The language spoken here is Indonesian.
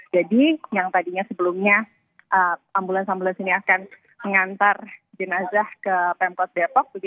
jadi yang tadinya sebelumnya ambulans ambulans ini akan mengantar jenazah ke pemkot depok